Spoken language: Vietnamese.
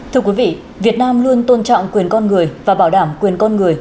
thưa quý vị việt nam luôn tôn trọng quyền con người và bảo đảm quyền con người